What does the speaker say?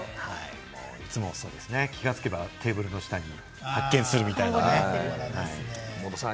気が付けばテーブルの下に発見するみたいなね。